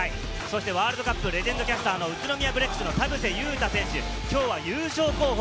ワールドカップレジェンドキャスターの宇都宮ブレックス・田臥勇太選手、きょうは優勝候補